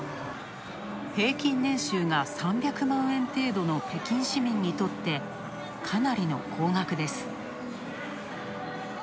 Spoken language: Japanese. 平均年収が３００万円程度の北京市民にとってかなりの高額です。